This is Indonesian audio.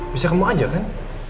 bisa kamu ajak kan